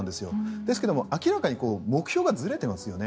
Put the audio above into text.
ですが、明らかに目標がずれていますよね。